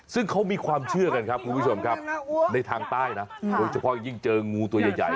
ซึ่งเขามีความเชื่อกันครับคุณผู้ชมครับในทางใต้นะโดยเฉพาะอย่างยิ่งเจองูตัวใหญ่